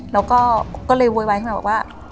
แล้วก็เลยเวยวายขึ้นแบบว่า